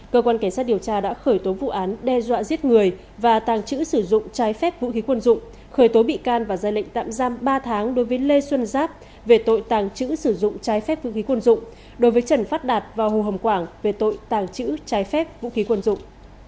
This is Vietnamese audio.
cơ quan cảnh sát điều tra đã khởi tố vụ án đe dọa giết người và tàng trữ sử dụng trái phép vũ khí quân dụng khởi tố bị can và ra lệnh tạm giam ba tháng đối với lê xuân giáp về tội tàng trữ sử dụng trái phép vũ khí quân dụng đối với trần phát đạt và hồ hồng quảng về tội tàng trữ trái phép vũ khí quân dụng